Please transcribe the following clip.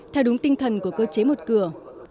theo đúng tinh thần của cơ chế một cửa